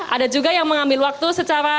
ada juga yang mengambil waktu secara